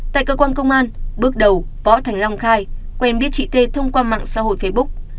tại cơ quan công an bước đầu võ thành long khai quen biết chị tê thông qua mạng xã hội facebook